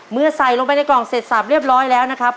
ใส่ลงไปในกล่องเสร็จสับเรียบร้อยแล้วนะครับ